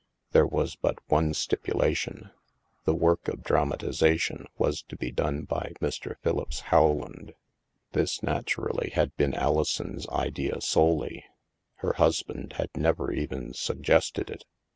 There was but one stipulation — the work of dramatization was to be done by Mr. Philippse Howland. This, naturally, had been Alison's idea solely; her husband had never even suggested it.